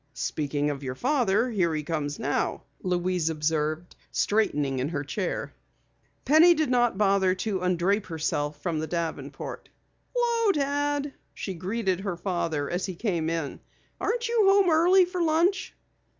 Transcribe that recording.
"Speaking of your father, here he comes now," Louise observed, and straightened in her chair. Penny did not bother to undrape herself from the davenport. "'Lo, Dad," she greeted her father as he came in. "Aren't you home early for lunch?"